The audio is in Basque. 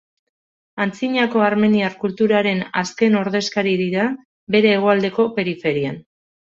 Antzinako armeniar kulturaren azken ordezkari dira bere hegoaldeko periferian.